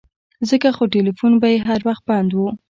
ځکه خو ټيلفون به يې هر وخت بند و.